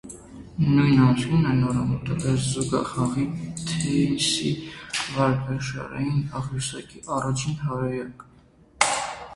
Նույն ամսին նա նորամուտել է զուգախաղի թենիսիստների վարկանիշային աղյուսակի առաջին հարյուրյակ։